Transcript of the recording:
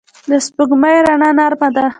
د سپوږمۍ رڼا نرمه ده